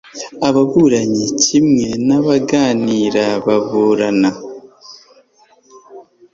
Ababuranyi kimwe n ababunganira baburana